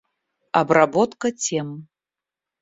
Обработка тем